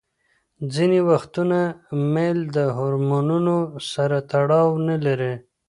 ځینې وختونه میل د هورمونونو سره تړاو نلري.